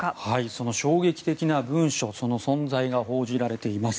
その衝撃的な文書その存在が報じられています。